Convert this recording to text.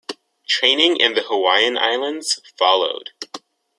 Training in the Hawaiian Islands followed.